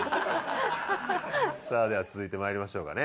さぁでは続いてまいりましょうかね。